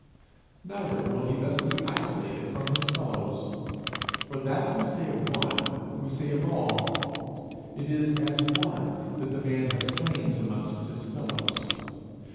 Neither will he thus be isolated from his fellows. For that we say of one, we say of all. It is as one that the man has claims amongst his fellows.